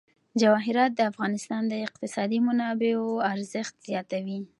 جواهرات د افغانستان د اقتصادي منابعو ارزښت زیاتوي.